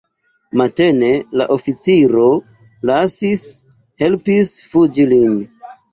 Matene la oficiro lasis, helpis fuĝi lin.